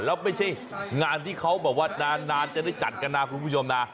แล้วไม่ใช่งานที่เขาแบบว่านานจะได้จัดกันนะคุณผู้ชมนะ